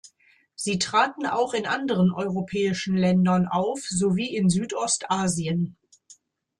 Sie traten auch in anderen europäischen Ländern auf sowie in Südost-Asien.